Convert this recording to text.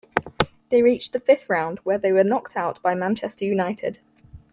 They reached the Fifth Round, where they were knocked out by Manchester United.